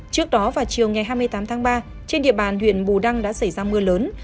trước đó vào chiều ngày hai mươi tám tháng ba trên địa bàn huyện bù đăng đã xảy ra mưa lớn